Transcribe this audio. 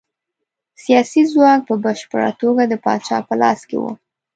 سیاسي ځواک په بشپړه توګه د پاچا په لاس کې و.